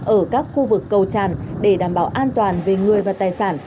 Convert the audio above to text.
ở các khu vực cầu tràn để đảm bảo an toàn về người và tài sản